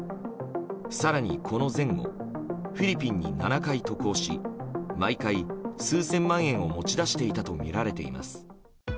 更にこの前後フィリピンに７回、渡航し、毎回数千万円を持ち出していたとみられています。